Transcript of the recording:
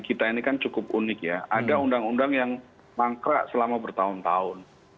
kita ini kan cukup unik ya ada undang undang yang mangkrak selama bertahun tahun